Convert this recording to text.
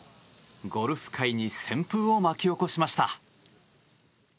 ゴルフ界に旋風を巻き起こしました。